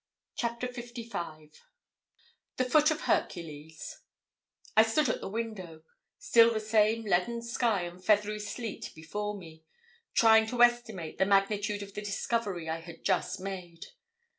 CHAPTER LV THE FOOT OF HERCULES I stood at the window still the same leaden sky and feathery sleet before me trying to estimate the magnitude of the discovery I had just made.